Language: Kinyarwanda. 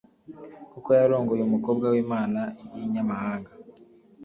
kuko yarongoye umukobwa w’imana y’inyamahanga.